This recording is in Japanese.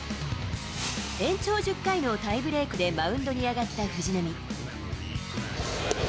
延長１０回のタイブレークでマウンドに上がった藤浪。